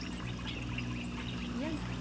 嫌なら。